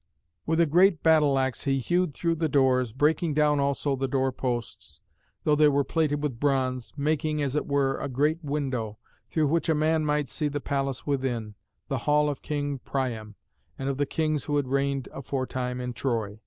With a great battle axe he hewed through the doors, breaking down also the door posts, though they were plated with bronze, making, as it were, a great window, through which a man might see the palace within, the hall of King Priam, and of the kings who had reigned aforetime in Troy.